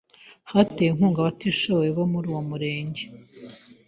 Hatewe inkunga abatishoboye bo muruwo murenge